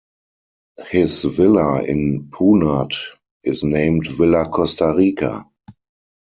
His villa in Punat is named "Villa Costarica".